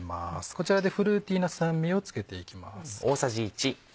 こちらでフルーティーな酸味を付けていきます。